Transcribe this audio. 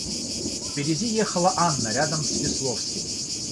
Впереди ехала Анна рядом с Весловским.